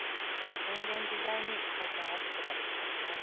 変幻自在に回転を操ることができますね。